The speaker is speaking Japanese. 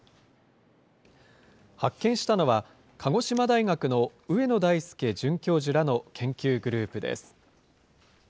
発見したのは鹿児島大学の上野大輔准教授らの研究グループです。